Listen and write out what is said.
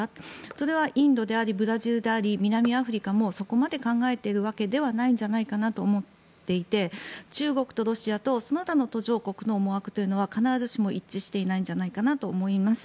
それはインドでありブラジルであり南アフリカもそこまで考えているわけではないんじゃないかなと思っていて中国とロシアとその他の途上国の思惑というのは必ずしも一致していないんじゃないかと思います。